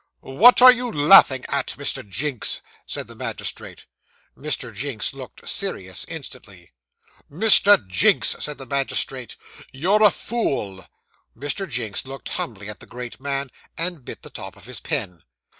'What are you laughing at, Mr. Jinks?' said the magistrate. Mr. Jinks looked serious instantly. 'Mr. Jinks,' said the magistrate, 'you're a fool.' Mr. Jinks looked humbly at the great man, and bit the top of his pen.